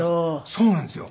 そうなんですよ。